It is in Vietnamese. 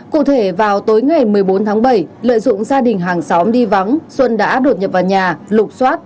cụ thể vào tối ngày một mươi bốn tháng bảy lợi dụng gia đình hàng xóm đi vắng xuân đã đột nhập vào nhà lục xoát